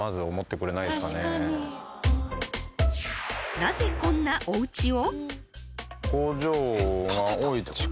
［なぜこんなおうちを？］